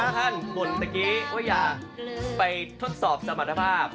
ท่านบ่นตะกี้ว่าอยากไปทดสอบสมรรถภาพ